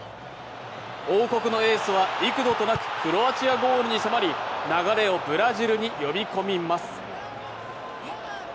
王国のエースは幾度となくクロアチアゴールに迫り流れをブラジルに呼び込みます。